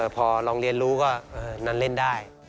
พอลองเรียนรู้ก็นั่นเล่นได้